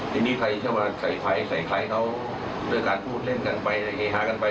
ทีนี้ใครจะมาใส่ไฟใส่ใครเขาด้วยการพูดเล่นกันไปเฮฮากันไป